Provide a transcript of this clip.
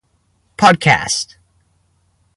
Podcast!